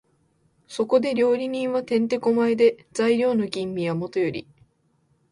そこで料理人は転手古舞で、材料の吟味はもとより、